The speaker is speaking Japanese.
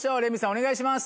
お願いします。